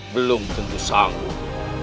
belum tentu sanggup